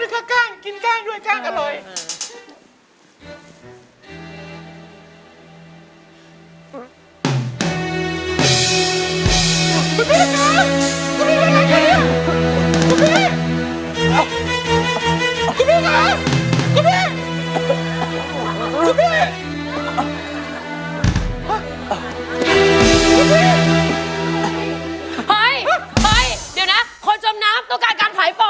เฮ้ยเดี๋ยวเน้อคนจมน้ำต้องการการถ่ายผ่อน